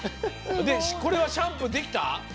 でこれはシャンプーできた？